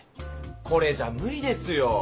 これじゃむりですよ。